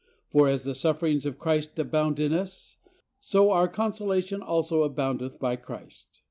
... For as the sufferings of Christ abound in us, so our consolation also aboundeth by Christ."